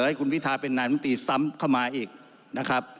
ให้คุณพิธาริมเจริญรัฐเป็นนายุลัมติซ้ำเข้ามาอีกนะครับ